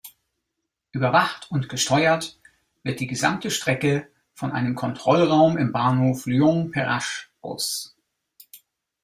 Überwacht und gesteuert wird die gesamte Strecke von einem Kontrollraum im Bahnhof Lyon-Perrache aus.